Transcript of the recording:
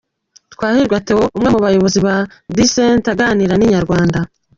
Twahirwa Theo umwe mu bayobozi ba Decent aganira na inyarwanda.